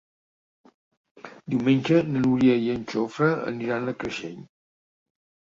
Diumenge na Núria i en Jofre aniran a Creixell.